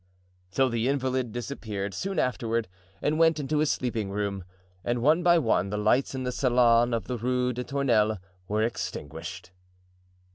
So the invalid disappeared soon afterward and went into his sleeping room; and one by one the lights in the salon of the Rue des Tournelles were extinguished.